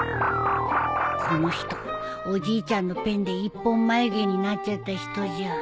この人おじいちゃんのペンで一本眉毛になっちゃった人じゃん